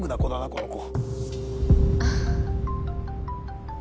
この子。